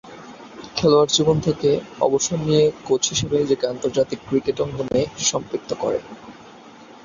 খেলোয়াড়ী জীবন থেকে অবসর নিয়ে কোচ হিসেবে নিজেকে আন্তর্জাতিক ক্রিকেট অঙ্গনে সম্পৃক্ত করেন।